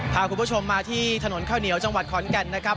พาคุณผู้ชมมาที่ถนนข้าวเหนียวจังหวัดขอนแก่นนะครับ